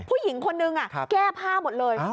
ผู้หญิงคนนึงแก้ผ้าหมดเลย